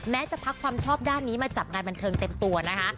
จะพักความชอบด้านนี้มาจับงานบันเทิงเต็มตัวนะคะ